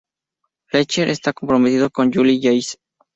Fletcher está comprometido con Julie Yates.